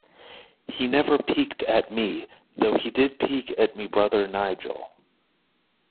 He never peeked at me, though he did peek at me brother Nigel.